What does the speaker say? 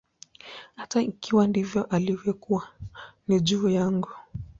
Hata ikiwa ndivyo ilivyokuwa, ni juu yangu.